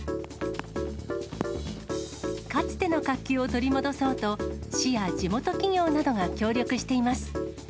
かつての活気を取り戻そうと、市や地元企業などが協力しています。